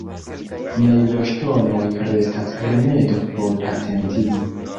Mejloŝtonoj restas rimedo por atentigi.